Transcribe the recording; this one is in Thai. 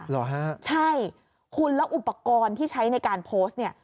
เหรอฮะใช่คุณแล้วอุปกรณ์ที่ใช้ในการโพสต์เนี่ย